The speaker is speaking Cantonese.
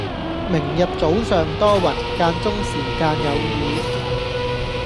明日早上多雲，間中時間有雨